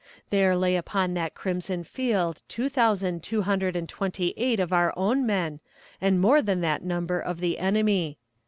There lay upon that crimson field two thousand two hundred and twenty eight of our own men, and more than that number of the enemy.